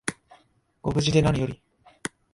ご無事でなにより